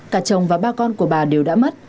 cả chồng và ba con của bà đều đã mất